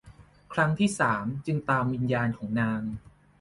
ครั้งที่สามจึงตามวิญญาณของนาง